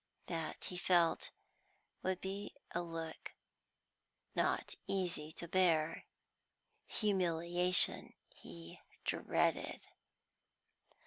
That, he felt, would be a look not easy to bear. Humiliation he dreaded.